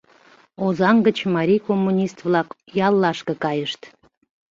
Озаҥ гыч марий коммунист-влак яллашке кайышт.